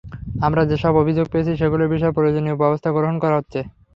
আমরা যেসব অভিযোগ পেয়েছি, সেগুলোর বিষয়ে প্রয়োজনীয় ব্যবস্থা গ্রহণ করা হচ্ছে।